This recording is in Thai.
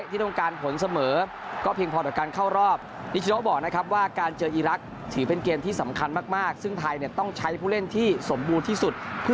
ที่สำคัญมากซึ่งไทยเนี่ยต้องใช้ผู้เล่นที่สมบูรณ์ที่สุด